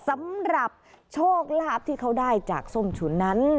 สำหรับโชคลาภที่เขาได้จากส้มฉุนนั้น